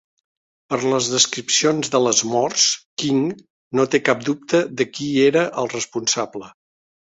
Per les descripcions de les morts, King no té cap dubte de qui era el responsable.